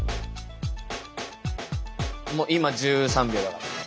もう今１３秒だから。